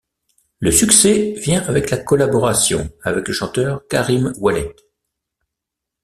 Le succès vient avec la collaboration avec le chanteur Karim Ouellet.